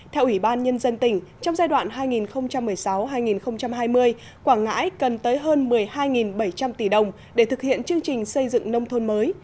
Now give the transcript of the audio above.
theo ủy ban nhân dân tỉnh trong giai đoạn hai nghìn một mươi sáu hai nghìn hai mươi quảng ngãi cần tới hơn một mươi hai bảy trăm linh tỷ đồng để thực hiện chương trình xây dựng nông thôn mới